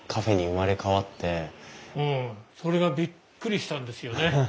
うんそれがびっくりしたんですよね。